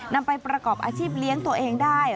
นำไปประกอบอาชีพเลี้ยงตัวเองได้